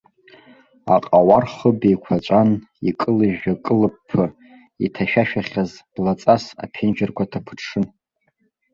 Аҟауар хыб еиқәаҵәан, икылыжәжәакылыԥԥы, иҭашәашәахьаз блаҵас, аԥенџьырқәа ҭаԥыҽҽын.